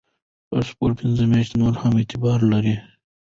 پاسپورت پنځه میاشتې نور هم اعتبار درلود.